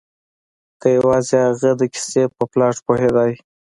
که یوازې هغه د کیسې په پلاټ پوهیدای